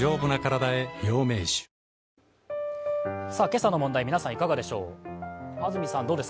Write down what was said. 今朝の問題、皆さんいかがでしょう？